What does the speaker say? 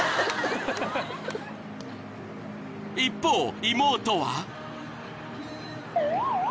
［一方妹は？］